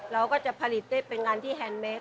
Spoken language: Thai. เราก็จะผลิตได้เป็นงานที่แฮนดเมค